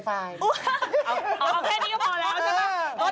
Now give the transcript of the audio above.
เอาแค่นี้ก็พอแล้วใช่ไหม